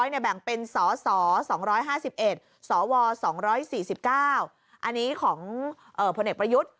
แบ่งเป็นสส๒๕๑สว๒๔๙อันนี้ของผลเอกประยุทธ์